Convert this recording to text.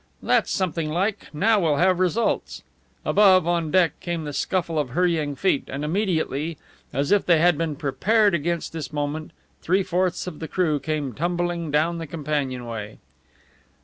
"That's something like! Now we'll have results!" Above, on deck, came the scuffle of hurrying feet, and immediately as if they had been prepared against this moment three fourths of the crew came tumbling down the companionway.